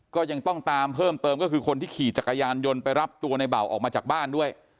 ก็ยังต้องตามเพิ่มเติมก็คือคนที่ขี่จักรยานยนต์ไปรับตัวในเบาออกมาจากบ้านด้วย